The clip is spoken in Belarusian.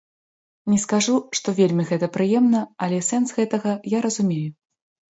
Не скажу, што вельмі гэта прыемна, але сэнс гэтага я разумею.